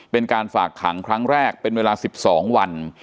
เป็นการฝากขังครั้งแรกเป็นเวลา๑๒วัน